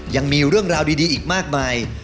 ยังมีเรื่องราวดีอีกมากมาย